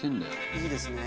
いいですね。